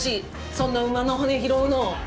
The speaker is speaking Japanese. そんな馬の骨拾うの。